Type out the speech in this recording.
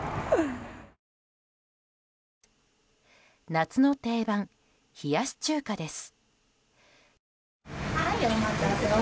夏の定番、冷やし中華です。